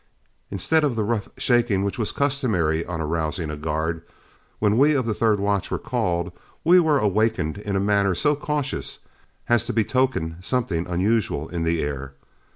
Instead of the rough shaking which was customary on arousing a guard, when we of the third watch were called, we were awakened in a manner so cautious as to betoken something unusual in the air.